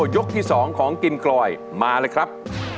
ยกที่๒ของกินกลอยมาเลยครับ